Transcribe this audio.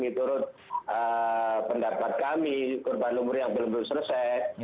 menurut pendapat kami korban lumpur yang belum selesai